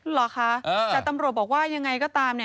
เหรอคะแต่ตำรวจบอกว่ายังไงก็ตาม